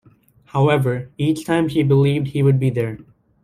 However, each time she believed he would be there.